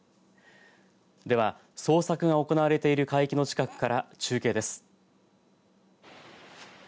では捜索が行われている海域の近くから中継です。